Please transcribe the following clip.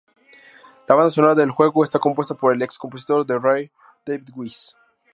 La banda sonora del juego está compuesta por el ex-compositor de Rare, David Wise.